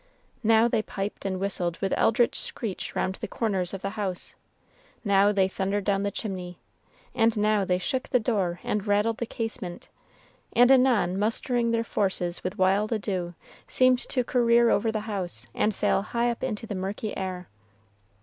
Now they piped and whistled with eldritch screech round the corners of the house now they thundered down the chimney and now they shook the door and rattled the casement and anon mustering their forces with wild ado, seemed to career over the house, and sail high up into the murky air.